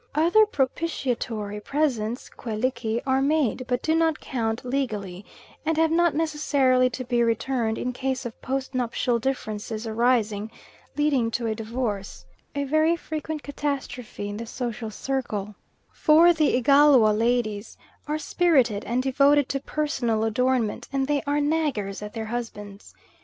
Other propitiatory presents (Kueliki) are made, but do not count legally, and have not necessarily to be returned in case of post nuptial differences arising leading to a divorce a very frequent catastrophe in the social circle; for the Igalwa ladies are spirited, and devoted to personal adornment, and they are naggers at their husbands.